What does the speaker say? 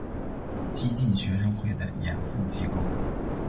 激进学生会的掩护机构。